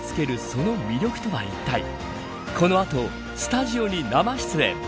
その魅力とはいったいこの後スタジオに生出演。